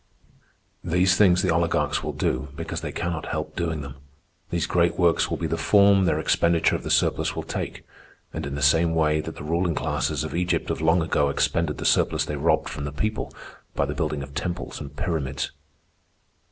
"These things the oligarchs will do because they cannot help doing them. These great works will be the form their expenditure of the surplus will take, and in the same way that the ruling classes of Egypt of long ago expended the surplus they robbed from the people by the building of temples and pyramids.